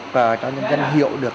và cho dân hiểu được